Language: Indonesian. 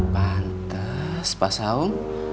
pantes pak saung